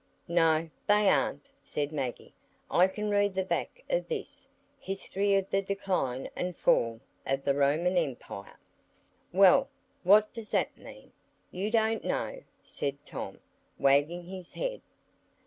"No, they aren't," said Maggie. "I can read the back of this,—'History of the Decline and Fall of the Roman Empire.'" "Well, what does that mean? You don't know," said Tom, wagging his head.